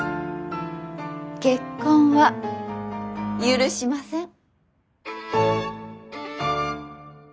結婚は許しません。